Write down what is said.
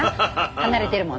離れてるもんな。